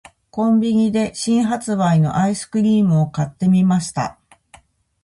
•コンビニで新発売のアイスクリームを買ってみました。